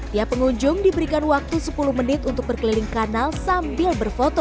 tiap pengunjung diberikan waktu sepuluh menit untuk berkeliling kanal sambil berfoto